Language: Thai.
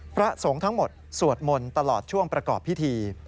พระสงฆ์ทั้งหมดสวดมนต์ตลอดช่วงประกอบพิธี